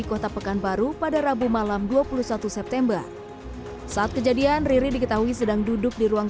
kota pekanbaru pada rabu malam dua puluh satu september saat kejadian riri diketahui sedang duduk di ruang